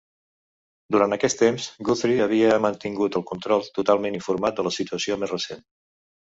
Durant aquest temps, Guthrie havia mantingut el control totalment informat de la situació més recent.